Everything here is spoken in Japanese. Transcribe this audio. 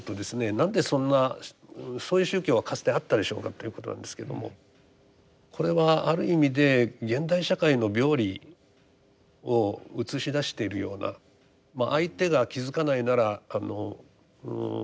なんでそんなそういう宗教はかつてあったでしょうかということなんですけどもこれはある意味で現代社会の病理を映し出しているような相手が気付かないならあの